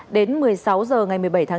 đến một mươi sáu h ngày một mươi bảy tháng tám